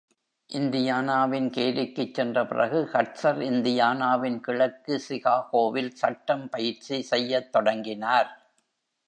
இந்தியானாவின் கேரிக்குச் சென்ற பிறகு, ஹட்சர் இந்தியானாவின் கிழக்கு சிகாகோவில் சட்டம் பயிற்சி செய்யத் தொடங்கினார்.